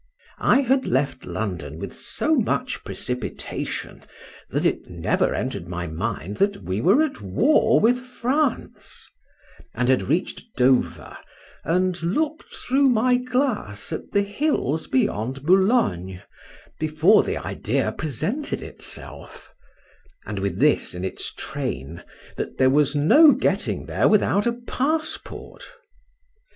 I had left London with so much precipitation, that it never enter'd my mind that we were at war with France; and had reached Dover, and looked through my glass at the hills beyond Boulogne, before the idea presented itself; and with this in its train, that there was no getting there without a passport.